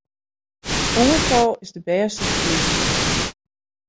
Oanfal is de bêste ferdigening.